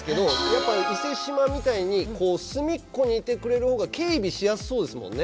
やっぱ伊勢志摩みたいに隅っこにいてくれる方が警備しやすそうですもんね。